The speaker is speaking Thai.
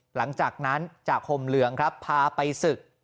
หลังจากนั้นจากห่มเหลืองครับพาไปศึก